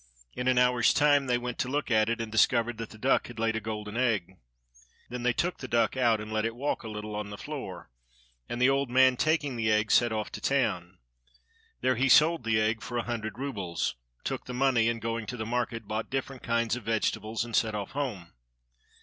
In an hour's time they went to look at it, and discovered that the duck had laid a golden egg. Then they took the duck out, and let it walk a little on the floor, and the old man, taking the egg, set off to town. There he sold the egg for a hundred roubles, took the money, and, going to the market, bought different kinds of vegetables and set off home.